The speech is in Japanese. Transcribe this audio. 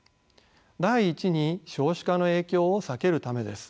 第一に少子化の影響を避けるためです。